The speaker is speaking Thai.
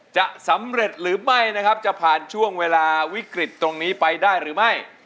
จะสำเร็จหรือไม่นะครับจะผ่านช่วงเวลาวิกฤตตรงนี้ไปได้หรือไม่